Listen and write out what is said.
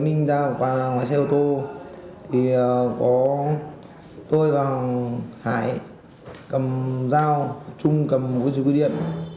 khi chờ anh ninh ra ngoài xe ô tô tôi và hải cầm dao chung cầm một cái dưới quy điện